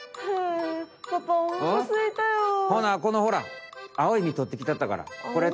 ほなこのほらあおい実とってきたったからこれ食べ。